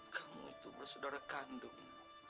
kamu itu bersaudara kandung